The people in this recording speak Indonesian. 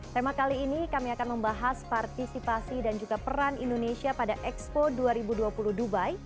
tema kali ini kami akan membahas partisipasi dan juga peran indonesia pada expo dua ribu dua puluh dubai